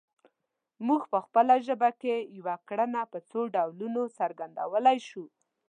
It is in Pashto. موږ په خپله ژبه کې یوه کړنه په څو ډولونو څرګندولی شو